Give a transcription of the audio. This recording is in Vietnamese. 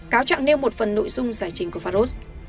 cáo trạng nêu một phần nội dung giải trình của faros